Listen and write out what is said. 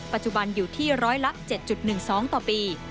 ปัจจุบันอยู่ที่ร้อยละ๗๑๒ต่อปี